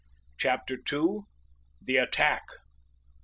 CHAPTER II. THE ATTACK.